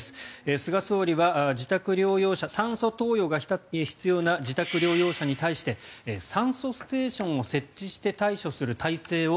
菅総理は自宅療養者酸素投与が必要な自宅療養者に対して酸素ステーションを設置して対処する体制を